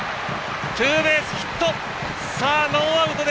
ツーベースヒット！